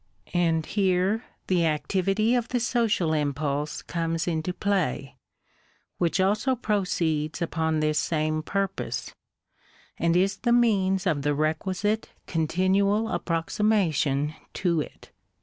And here the activity of the social impulse comes into play, which also proceeds upon this same purpose, and is the means of the requisite continual approximation to it.